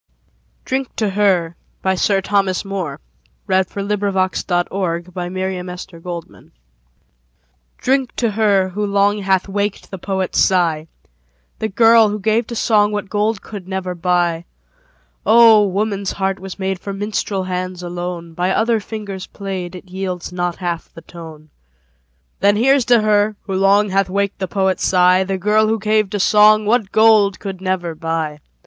DRINK TO HER. Drink to her, who long, Hath waked the poet's sigh. The girl, who gave to song What gold could never buy. Oh! woman's heart was made For minstrel hands alone; By other fingers played, It yields not half the tone. Then here's to her, who long Hath waked the poet's sigh, The girl who gave to song What gold could never buy.